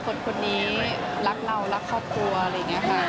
กันคิดมาดีแล้วว่าคนนี้รักเรารักครอบครัวอะไรอย่างนี้ค่ะ